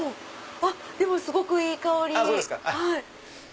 すごくいい香り。